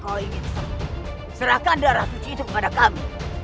kalau kau ingin semua serahkan darah cuci itu kepada kami